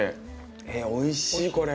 えっおいしいこれ。